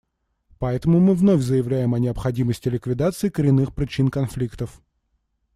Поэтому мы вновь заявляем о необходимости ликвидации коренных причин конфликтов.